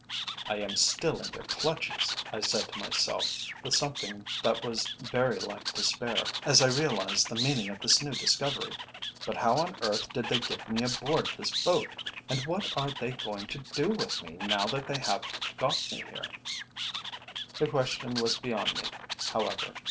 "I am still in their clutches," I said to myself, with something that was very like despair, as I realised the meaning of this new discovery, "but how on earth did they get me aboard this boat, and what are they going to do with me now that they have got me here?" The question was beyond me, however.